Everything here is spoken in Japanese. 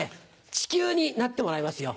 地球になってもらいますよ。